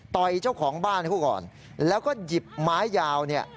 เจ้าของบ้านเขาก่อนแล้วก็หยิบไม้ยาวเนี่ย